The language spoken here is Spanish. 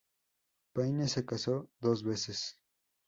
Payne se casó dos veces.